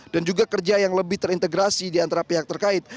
dan juga kerja yang lebih terintegrasi di antara pihak terkait